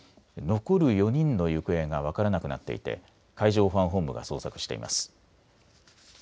残る４人の行方が分からなくなっていて海上保安本部が捜索しています。